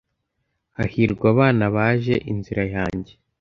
hahirwa abana baje inzira yanjye